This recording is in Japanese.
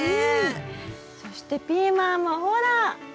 そしてピーマンもほら！